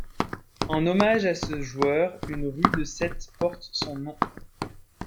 En hommage à ce joueur, une rue de Sète porte son nom.